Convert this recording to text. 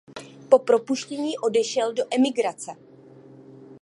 Po propuštění odešel do emigrace.